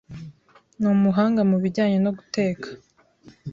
Ni umuhanga mubijyanye no guteka.